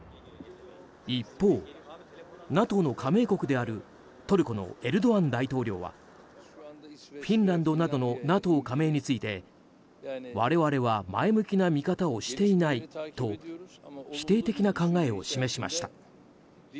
一方、ＮＡＴＯの加盟国であるトルコのエルドアン大統領はフィンランドなどのＮＡＴＯ加盟について我々は前向きな見方をしていないと否定的な考えを示しました。